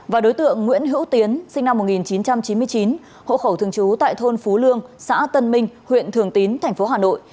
và đối tượng nguyễn hữu tiến sinh năm một nghìn chín trăm chín mươi chín hộ khẩu thường trú tại thôn phú lương xã tân minh huyện thường tín tp hà nội